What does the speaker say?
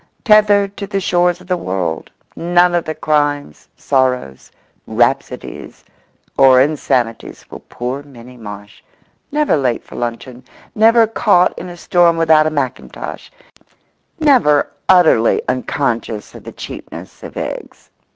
Tethered to the shores of the world, none of the crimes, sorrows, rhapsodies, or insanities for poor Minnie Marsh; never late for luncheon; never caught in a storm without a mackintosh; never utterly unconscious of the cheapness of eggs.